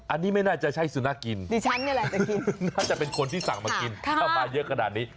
อันนี้ไม่น่าจะใช่สุนัขกินดิฉันนี่แหละน่าจะเป็นคนที่สั่งมากินถ้ามาเยอะขนาดนี้